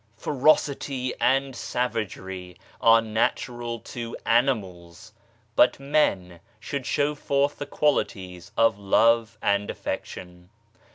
"T?EROCITY and savagery are natural to animals, but A men should show forth the qualities of love and affection.